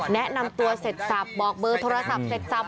แนะนำตัวเสร็จสับบอกเบอร์โทรศัพท์เสร็จสับ